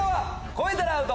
超えたらアウト！